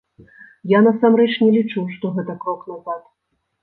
Я насамрэч не лічу, што гэта крок назад.